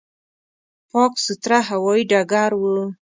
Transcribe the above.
پاک، سوتره هوایي ډګر و.